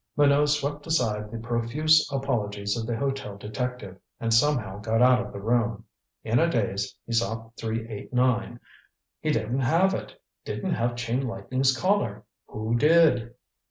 Minot swept aside the profuse apologies of the hotel detective, and somehow got out of the room. In a daze, he sought 389. He didn't have it! Didn't have Chain Lightning's Collar! Who did?